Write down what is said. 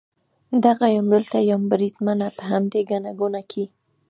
دغه یم، دلته یم بریدمنه، په همدې ګڼه ګوڼه کې.